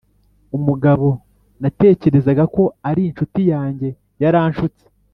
umugabo natekerezaga ko ari inshuti yanjye yaranshutse.